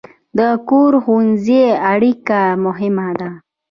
د کور او ښوونځي اړیکه مهمه ده.